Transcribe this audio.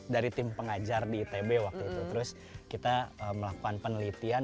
dari tim pengajar di itb waktu itu terus kita melakukan penelitian